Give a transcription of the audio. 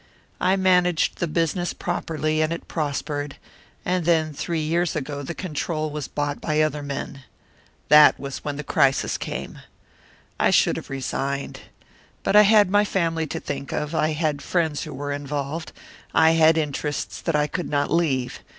I managed the business properly, and it prospered; and then, three years ago, the control was bought by other men. That was when the crisis came. I should have resigned. But I had my family to think of; I had friends who were involved; I had interests that I could not leave.